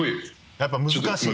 やっぱ難しい？